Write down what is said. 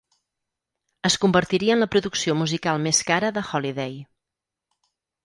Es convertiria en la producció musical més cara de Holiday.